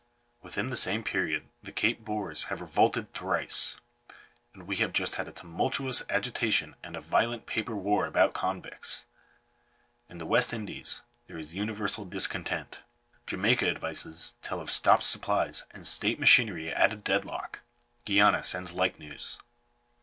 Within the same period the Cape Boers have revolted thrice; and we have just had a tumultuous agi tation and a violent paper war about convicts. In the West Indies there is universal discontent. Jamaica advices tell of stopped supplies, and state machinery at a dead lock. Guiana sends like news.